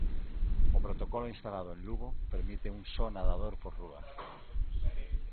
O protocolo instalado en Lugo permite un só nadador por rúa.